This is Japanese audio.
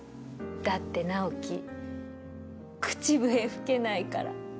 だって直木、口笛吹けないから。